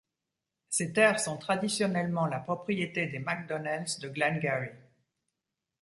Ces terres sont traditionnellement la propriété des MacDonnells de Glengarry.